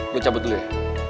gue cabut dulu ya